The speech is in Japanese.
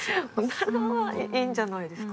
オナラはいいんじゃないですか？